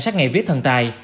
bảo tính minh châu